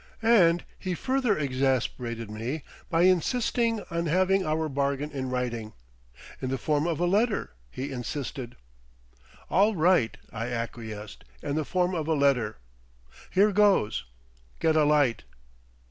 And he further exasperated me by insisting on having our bargain in writing. "In the form of a letter," he insisted. "All right," I acquiesced, "in the form of a letter. Here goes! Get a light!"